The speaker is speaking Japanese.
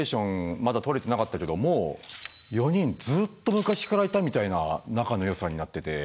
まだ取れてなかったけどもう４人ずっと昔からいたみたいな仲の良さになってて。